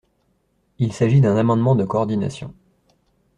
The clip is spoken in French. Il s’agit d’un amendement de coordination.